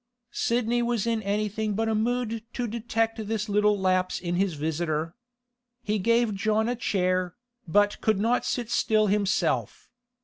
Sidney was in anything but a mood to detect this little lapse in his visitor. He gave John a chair, but could not sit still himself.